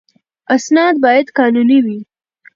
اسناد باید قانوني وي.